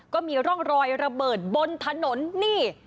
ก็มีร่องรอยระเบิดบนถนนนี่